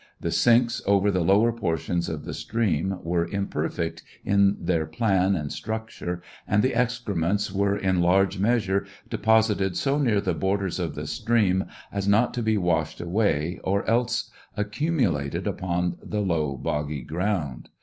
The sinks over the lower portions of the stream were imperfect in their plan and structure, and the excrements were in large measure deposited so near the borders of Xhe stream as not to be washed away, or else accumulated upon the low boggy ground.